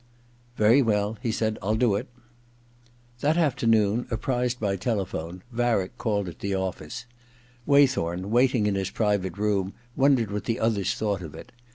* Very weU,' he said, * TU do it.' That afternoon, apprised by telephone, Varick called at the office. Waythorn, waiting in his private room, wondered what the others thought of it.